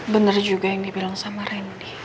bener juga yang dibilang sama ren